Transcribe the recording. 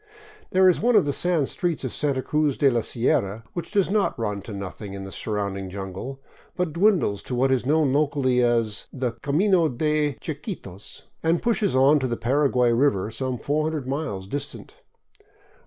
There is one of the sand streets of Santa Cruz de la Sierra which does not run out to nothing in the surrounding jungle, but dwindles to what is known locally as the " camino de Chiquitos," and pushes on to the Paraguay river, some 400 miles distant.